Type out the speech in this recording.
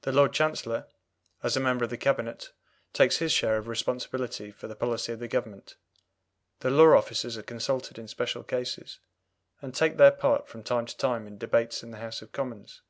The Lord Chancellor, as a member of the Cabinet, takes his share in responsibility for the policy of the Government. The law officers are consulted in special cases, and take their part from time to time in debates in the House of Commons.